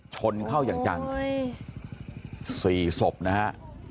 ชนเข้าอย่างจัง๔ศพนะฮะ